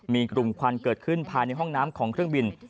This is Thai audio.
มีกลุ่มควันเกิดขึ้นภายในห้องน้ำของเครื่องบิน